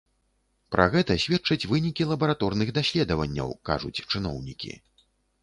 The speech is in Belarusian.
Пра гэта сведчаць вынікі лабараторных даследаванняў, кажуць чыноўнікі.